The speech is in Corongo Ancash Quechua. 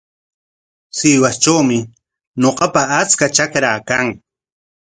Sihuastrawmi ñuqapa achka trakaa kan.